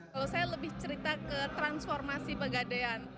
kalau saya lebih cerita ke transformasi pegadaian